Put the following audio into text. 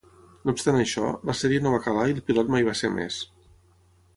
No obstant això, la sèrie no va calar i el pilot mai va ser emès.